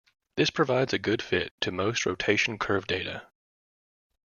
This provides a good fit to most rotation curve data.